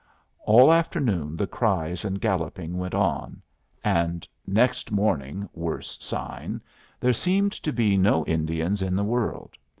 All afternoon the cries and galloping went on, and next morning (worse sign) there seemed to be no Indians in the world.